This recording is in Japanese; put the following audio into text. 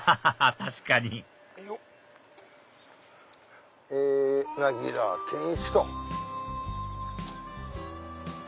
確かになぎら健壱と。